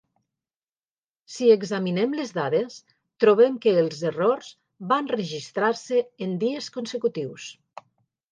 Si examinem les dades, trobem que els errors van registrar-se en dies consecutius.